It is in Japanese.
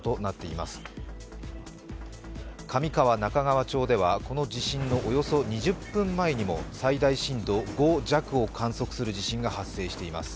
中川町ではこの地震のおよそ２０分前にも最大震度５弱を観測する地震が発生しています。